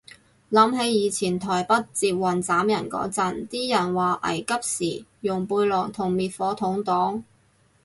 諗起以前台北捷運斬人嗰陣，啲人話危急時用背囊同滅火筒擋